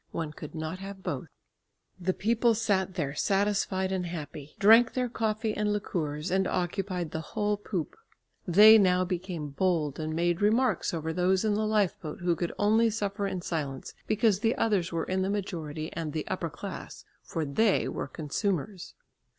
One could not have both. The people sat there satisfied and happy, drank their coffee and liqueurs, and occupied the whole poop. They now became bold and made remarks over those in the lifeboat, who could only suffer in silence, because the others were in the majority and the upper class, for they were consumers.